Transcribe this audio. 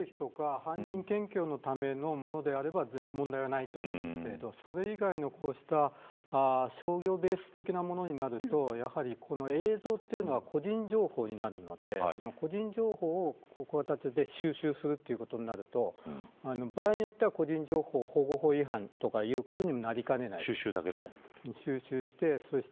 ＡＩカメラは防犯目的とか犯人検挙のためのものであれば問題はないと思いますがそれ以外のこうした商業ベース的なものになるとやはり、映像というのは個人情報になるので個人情報をこういう形で収集するということになると場合によっては個人情報保護法違反収集だけでも。